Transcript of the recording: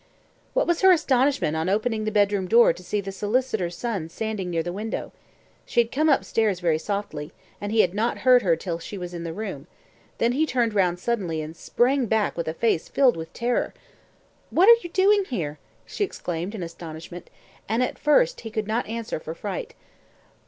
What was her astonishment on opening the bedroom door to see the solicitor's son standing near the window. She had come upstairs very softly, and he had not heard her till she was in the room; then he turned round suddenly, and sprang back with a face filled with terror. "What are you doing here?" she exclaimed in astonishment, and at first he could not answer for fright.